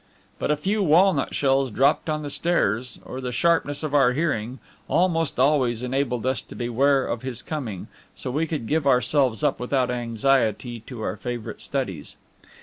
But a few walnut shells dropped on the stairs, or the sharpness of our hearing, almost always enabled us to beware of his coming, so we could give ourselves up without anxiety to our favorite studies.